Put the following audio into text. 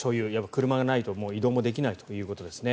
車がないと移動もできないということですね。